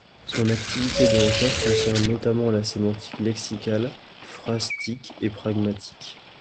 Son activité de recherche concerne notamment la sémantique lexicale, phrastique et pragmatique.